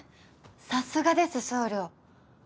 さすがです総領。